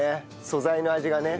素材の味がね。